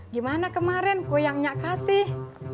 gimana kemarin kok yang gak kasih